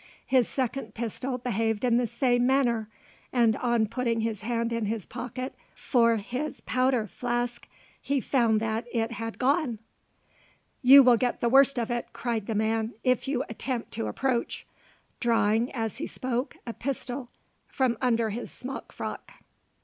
His second pistol behaved in the same manner; and on putting his hand in his pocket for his powder flask, he found that that had gone. "You will get the worst of it," cried the man, "if you attempt to approach," drawing, as he spoke, a pistol from under his smock frock.